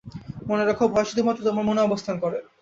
মনে রেখো, ভয় শুধুমাত্র তোমার মনে অবস্থান করে।